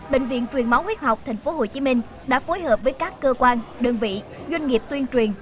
bệnh viện truyền máu huyết học tp hcm đã phối hợp với các cơ quan đơn vị doanh nghiệp tuyên truyền